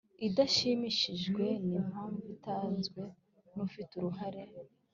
idashimishijwe n impamvu itanzwe n ufite uruhare